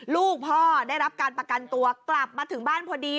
ลูกพ่อได้รับการประกันตัวกลับมาถึงบ้านพอดี